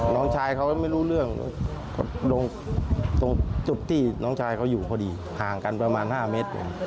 น้องชายเขาไม่รู้เรื่องตรงจุดที่น้องชายเขาอยู่พอดีห่างกันประมาณ๕เมตร